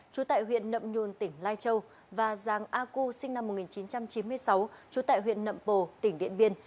trú tại huyện nậm nhùn tỉnh lai châu và giàng a cu sinh năm một nghìn chín trăm chín mươi sáu trú tại huyện nậm bồ tỉnh điện biên